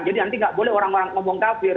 jadi nanti enggak boleh orang orang ngomong kafir